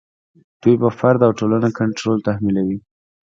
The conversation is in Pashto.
دوی پر فرد او ټولنه کنټرول تحمیلوي.